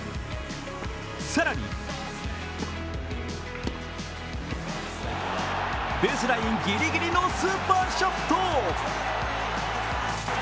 更に、ベースラインギリギリのスーパーショット。